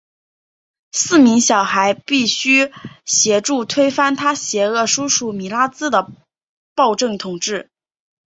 四名小孩必须得协助推翻他邪恶叔叔米拉兹的暴政统治。